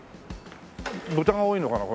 豚が多いのかな？